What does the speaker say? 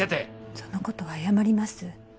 そのことは謝ります。